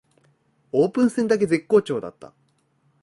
オープン戦だけ絶好調だった